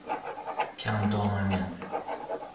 کم دامنه